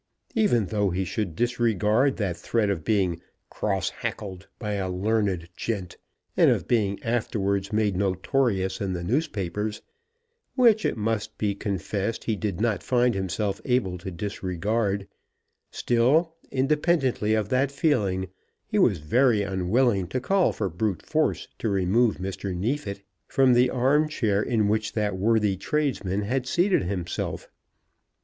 Even though he should disregard that threat of being "cross hackled by a learned gent," and of being afterwards made notorious in the newspapers, which it must be confessed he did not find himself able to disregard, still, independently of that feeling, he was very unwilling to call for brute force to remove Mr. Neefit from the arm chair in which that worthy tradesman had seated himself.